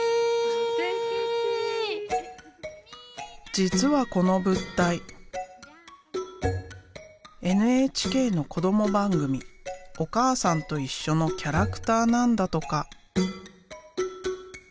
実はこの物体ＮＨＫの子ども番組「おかあさんといっしょ」のキャラクターなんだとか。